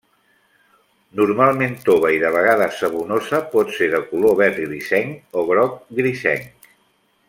Normalment tova i de vegades sabonosa, pot ser de color verd grisenc o groc grisenc.